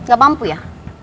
ga mampu ya